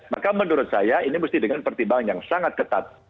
maka menurut saya ini mesti dengan pertimbangan yang sangat ketat